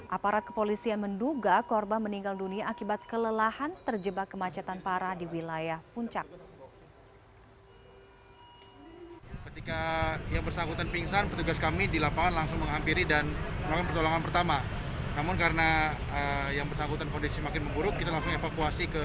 aparat kepolisian menduga korban meninggal dunia akibat kelelahan terjebak kemacetan parah di wilayah puncak